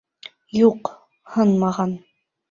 Юҡ, һынмаған.